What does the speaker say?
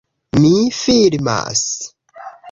Mi filmas.